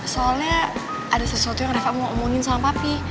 soalnya ada sesuatu yang mereka mau omongin sama papi